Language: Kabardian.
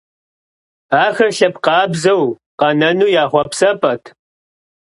Ахэр лъэпкъ къабзэу къэнэну я хъуэпсапӀэт.